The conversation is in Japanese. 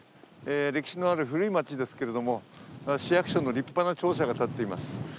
歴史のある古い街ですけれど、市役所の立派な庁舎が建っています。